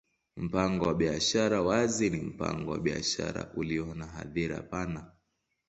Mpango wa biashara wazi ni mpango wa biashara ulio na hadhira pana.